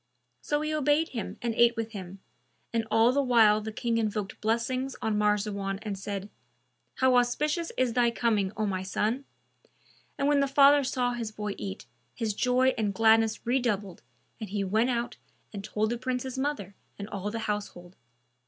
So he obeyed him and ate with him, and all the while the King invoked blessings on Marzawan and said, "How auspicious is thy coming, O my son!" And when the father saw his boy eat, his joy and gladness redoubled, and he went out and told the Prince's mother and all the household.